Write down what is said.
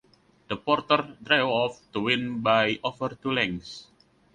The Porter drew off to win by over two lengths.